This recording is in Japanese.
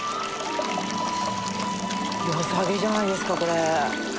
良さげじゃないですかこれ。